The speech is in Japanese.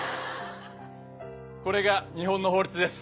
これが日本の法律です。